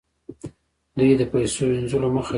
دوی د پیسو وینځلو مخه نیسي.